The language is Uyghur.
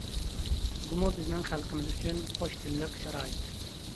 بۇمۇ بىزنىڭ خەلقىمىز ئۈچۈن قوش تىللىق شارائىت.